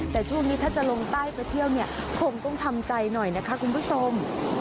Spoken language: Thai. แต่ช่วงนี้ถ้าจะลงใต้ไปเที่ยวเนี่ยคงต้องทำใจหน่อยนะคะคุณผู้ชม